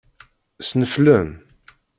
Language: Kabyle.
Ssneflen.